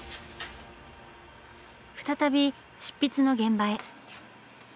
再び執筆の現場へ。